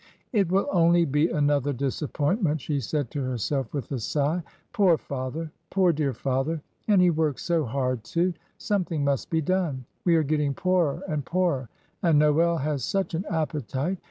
"It will only be another disappointment," she said to herself, with a sigh. "Poor father, poor dear father! And he works so hard, too! Something must be done. We are getting poorer and poorer, and Noel has such an appetite.